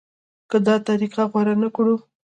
که دا طریقه غوره نه کړو.